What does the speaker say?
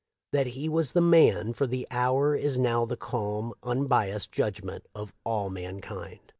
That he was the man for the hour is now the calm, unbiassed judgment of all mankind.